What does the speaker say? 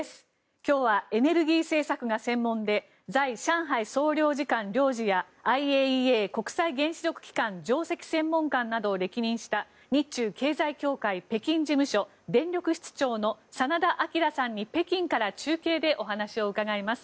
今日はエネルギー政策が専門で在上海総領事館の領事やＩＡＥＡ・国際原子力機関の上席専門官などを歴任した日中経済協会北京事務所電力室長の真田晃さんに北京から中継でお話を伺います。